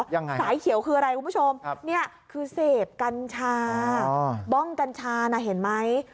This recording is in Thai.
สายเขียวคืออะไรคุณผู้ชมคือเสพกัญชาบ้องกัญชานะเห็นไหม